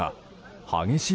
激しい